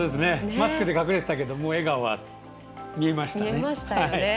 マスクで隠れてたけど笑顔は見えましたね。